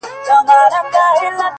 • څو شپې ورځي وو په غره کي ګرځېدلی,